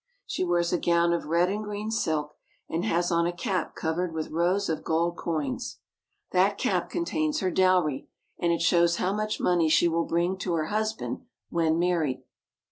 She wears a gown of red and green silk and has on a cap covered with rows of gold coins. That cap contains her Shepherds from Bethlehem. dowry, and it shows how much money she will bring to her husband when married.